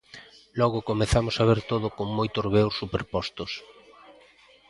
Logo comezamos a ver todo con moitos veos superpostos.